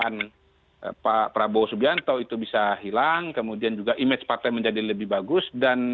dan pak prabowo subianto itu bisa hilang kemudian juga image partai menjadi lebih bagus